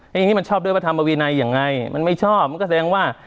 อย่างนี้มันชอบด้วยพระธรรมวินัยยังไงมันไม่ชอบมันก็แสดงว่า